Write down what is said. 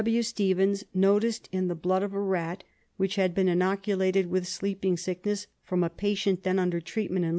W. W. Stephens noticed in the blood of a rat, which had been inoculated with sleeping sickness from a patient then under treatment in I.